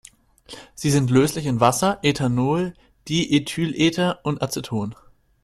Sie sind löslich in Wasser, Ethanol, Diethylether und Aceton.